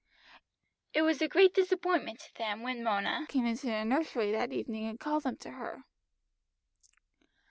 It was a great disappointment to them when Mona came into the nursery that evening and called them to her.